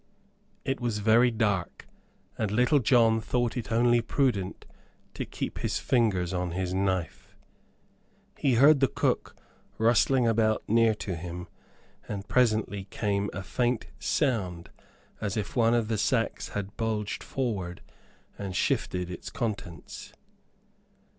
It was very dark, and Little John thought it only prudent to keep his fingers on his knife. He heard the cook rustling about near to him, and presently came a faint sound as if one of the sacks had bulged forward and shifted its contents.